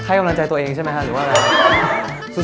ใครกำลังใจตัวเองใครกำลังใจตัวเองใช่ไหมคะหรือว่าอะไร